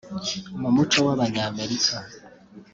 mu muco w’abanyamerika